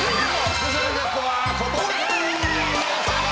スペシャルゲストは小峠さん。